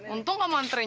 untung kamu nganterin